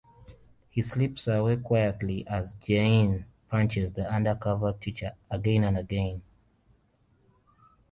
He slips away quietly as Jae-in punches the undercover teacher again and again.